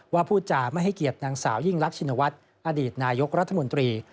พูดจาไม่ให้เกียรตินางสาวยิ่งรักชินวัฒน์อดีตนายกรัฐมนตรี